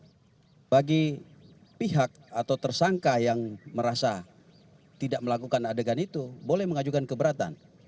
dan bagi pihak atau tersangka yang merasa tidak melakukan adegan itu boleh mengajukan keberatan